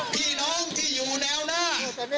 พี่น้องที่อยู่แนวหน้า